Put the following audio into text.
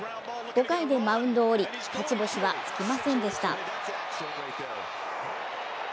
５回でマウンドを降り、勝ち星はつきませんでした。